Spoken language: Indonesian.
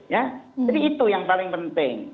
jadi itu yang paling penting